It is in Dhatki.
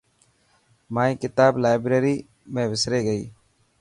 مائي ڪتاب لائبريري ۾ وسري گئي.